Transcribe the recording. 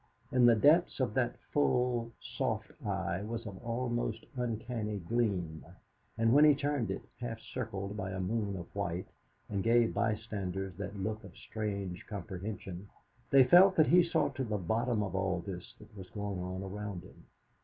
In the depths of that full, soft eye was an almost uncanny gleam, and when he turned it, half circled by a moon of white, and gave bystanders that look of strange comprehension, they felt that he saw to the bottom of all this that was going on around him.